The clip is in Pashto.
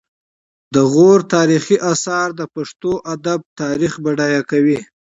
د غور تاریخي اثار د پښتو ادب تاریخ بډایه کوي